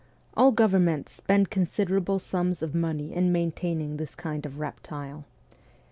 All governments spend considerable sums of money in maintaining this kind of reptile.